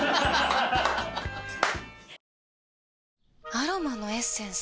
アロマのエッセンス？